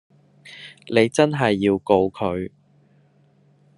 你真係要告佢